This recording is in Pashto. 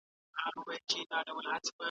لا په خُم کي می باقي دي دلته نور جامونه هم سته